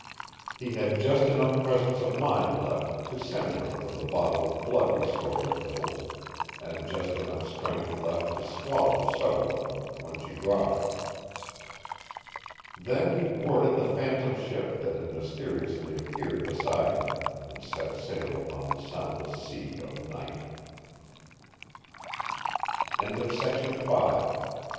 He had just enough presence of mind left to send her for the bottle of blood restorer pills, and just enough strength left to swallow several of them when she brought it. Then he boarded the phantom ship that had mysteriously appeared beside him and set sail upon the soundless sea of night. VI "No," said the rent a mammakin, "you cannot see her.